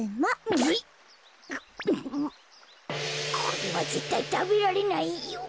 これはぜったいたべられないよ。